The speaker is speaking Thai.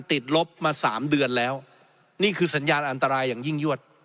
ติดลบมาสามเดือนแล้วนี่คือสัญญาณอันตรายอย่างยิ่งยวด